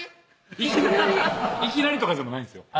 いきなりいきなりとかでもないんですよ